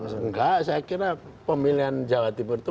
enggak saya kira pemilihan jawa timur itu